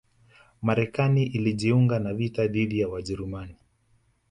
Marekani ilijiunga na vita dhidi ya Wajerumani